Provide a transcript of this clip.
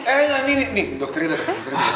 eh enggak nih nih dokternya dateng